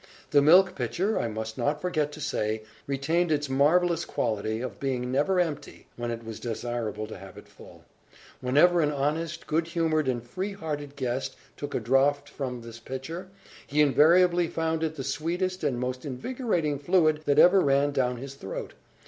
The milk pitcher, I must not forget to say, retained its marvellous quality of being never empty, when it was desirable to have it full. Whenever an honest, good humoured, and free hearted guest took a draught from this pitcher, he invariably found it the sweetest and most invigorating fluid that ever ran down his throat.